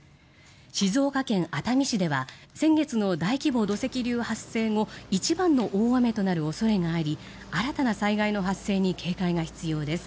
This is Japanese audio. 静岡県熱海市では先月の大規模土石流発生後一番の大雨となる恐れがあり新たな災害の発生に警戒が必要です。